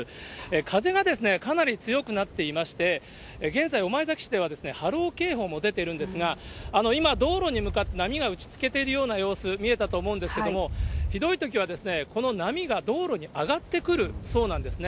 風がかなり強くなっていまして、現在、御前崎市では波浪警報も出ているんですが、今、道路に向かって波が打ちつけているような様子、見えたと思うんですけれども、ひどいときはこの波が道路に上がってくるそうなんですね。